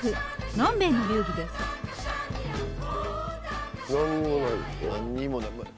何にもない。